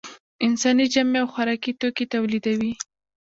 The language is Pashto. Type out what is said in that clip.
انسان جامې او خوراکي توکي تولیدوي